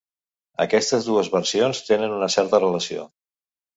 Aquestes dues versions tenen una certa relació.